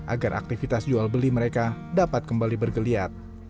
agar aktivitas jual beli mereka dapat kembali bergeliat